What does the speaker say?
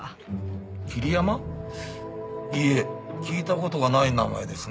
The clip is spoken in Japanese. いいえ聞いた事がない名前ですね。